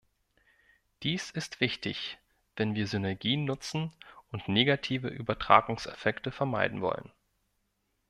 Dies ist wichtig, wenn wir Synergien nutzen und negative Übertragungseffekte vermeiden wollen.